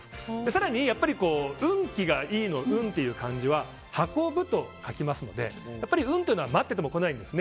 更に運気がいいの運という漢字は運ぶと書きますのでやっぱり、運というのは待ってても来ないんです。